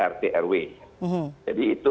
rt rw jadi itu